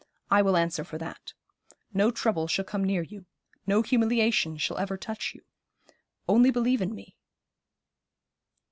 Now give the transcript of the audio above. I will answer for that. No trouble shall come near you. No humiliation shall ever touch you. Only believe in me.'